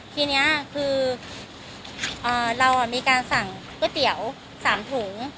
ทีนี้คือเรามีการสั่งก๋วยเตี๋ยว๓ถุง